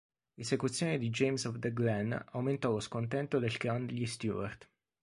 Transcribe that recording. L'esecuzione di James of the Glen aumentò lo scontento del clan degli Stewart.